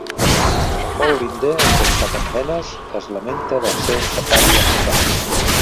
Paul Lynde, embolicat en benes, es lamenta del seu safari africà.